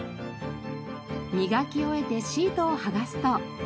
磨き終えてシートを剥がすと。